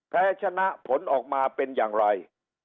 แพ้ชนะผลออกมาเป็นอย่างไร